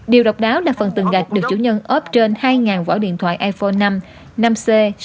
điều độc đáo là phần tường gạch được chủ nhân ớp trên hai ngàn vỏ điện thoại iphone năm